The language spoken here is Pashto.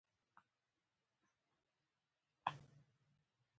کلا ته د ختلو سیالۍ کې بریالي کېدو لپاره.